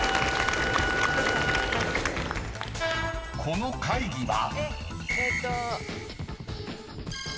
［この会議は？］